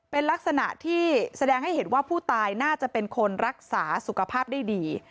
เป็นลักษณะที่แสดงให้เห็นว่าผู้ตายน่าจะเป็นคนรักษาสุขภาพได้ดี